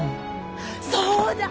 そうだ！